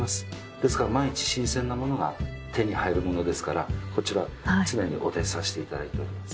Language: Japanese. ですから毎日新鮮なものが手に入るものですからこちら常にお出しさせていただいております。